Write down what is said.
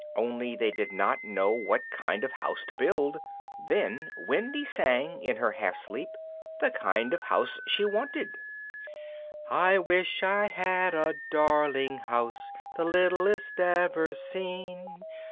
Only they did not know what kind of house to build. Then Wendy sang in her half sleep the kind of house she wanted: [Illustration: music] I wish I had a dar ling house, The litt lest ev er seen.